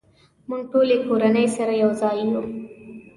مونږ ټولې کورنۍ سره یوځای یو